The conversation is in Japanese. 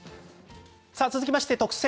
続きまして特選！！